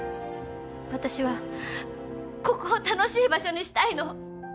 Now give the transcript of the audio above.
私はここを楽しい場所にしたいの。